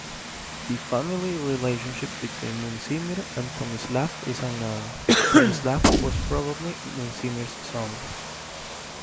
The family relationship between Muncimir and Tomislav is unknown; Tomislav was probably Muncimir's son.